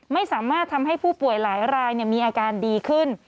ไม่สามารถทำให้ผู้ป่วยหลายรายมีอาการดีขึ้น